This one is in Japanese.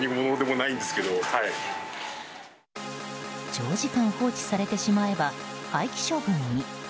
長時間、放置されてしまえば廃棄処分に。